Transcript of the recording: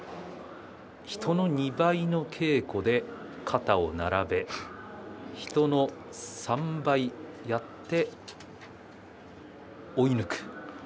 人の２倍の稽古で肩を並べ人の３倍やって追い抜く。